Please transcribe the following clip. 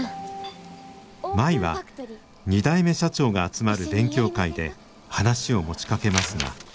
舞は２代目社長が集まる勉強会で話を持ちかけますが。